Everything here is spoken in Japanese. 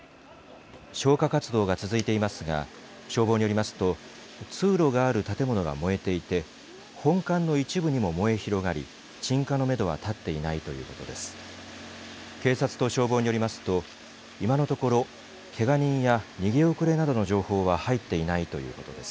消火活動が続いていますが、消防によりますと、通路がある建物が燃えていて、本館の一部にも燃え広がり、鎮火のめどは立っていないということです。